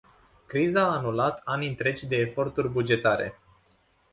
Criza a anulat ani întregi de eforturi bugetare.